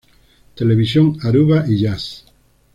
Televisión "Aruba y Jazz".